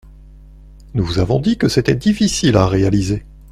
Nous vous avons dit que c’était difficile à réaliser.